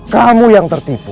kamu yang tertipu